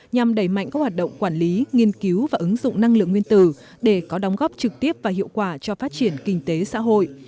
nhằm đẩy mạnh các hoạt động quản lý nghiên cứu và ứng dụng năng lượng nguyên tử để có đóng góp trực tiếp và hiệu quả cho phát triển kinh tế xã hội